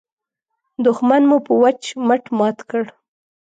دوښمن مو په وچ مټ مات کړ.